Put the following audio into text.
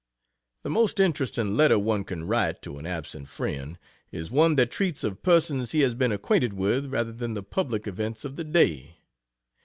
The most interesting letter one can write, to an absent friend, is one that treats of persons he has been acquainted with rather than the public events of the day.